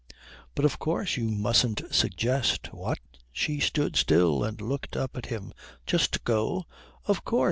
"But of course you mustn't suggest." "What?" She stood still and looked up at him. "Just go?" "Of course.